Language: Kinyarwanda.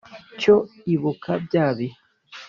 Cyo ibuka bya bihe